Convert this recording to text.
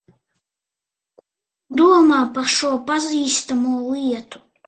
Ko tu domā par šo pazīstamo lietu?